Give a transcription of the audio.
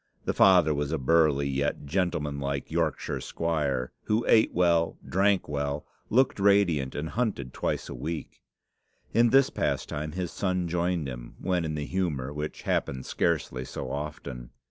The father was a burly, yet gentlemanlike Yorkshire squire, who ate well, drank well, looked radiant, and hunted twice a week. In this pastime his son joined him when in the humour, which happened scarcely so often.